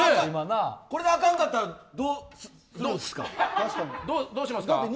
これで、あかんかったらどうしますか。